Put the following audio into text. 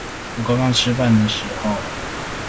我剛剛吃飯的時候